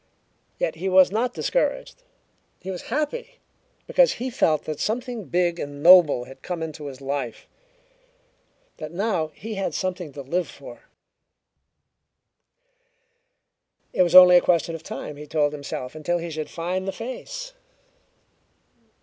Yet he was not discouraged. He was happy, because he felt that something big and noble had come into his life that now he had something to live for. It was only a question of time, he told himself, until he should find the face.